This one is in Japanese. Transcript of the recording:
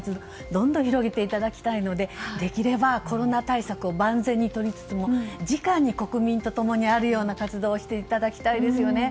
どんどん広げていただきたいのでできれば、コロナ対策を万全にとりつつもじかに国民とともにあるような活動をしていただきたいですよね。